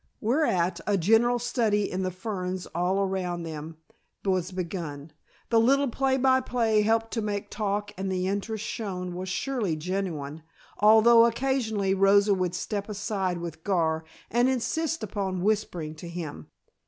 Whereat a general study in the ferns all around them was begun. The little by play helped to make talk and the interest shown was surely genuine, although occasionally Rosa would step aside with Gar and insist upon whispering to him.